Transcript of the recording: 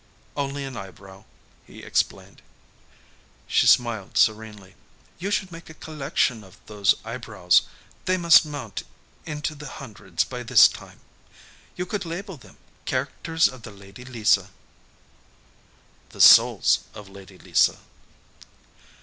"Only an eyebrow," he explained. She smiled serenely. "You should make a collection of those eyebrows. They must mount into the hundreds by this time. You could label them 'Characters of the Lady Lisa.'" "The Souls of Lady Lisa."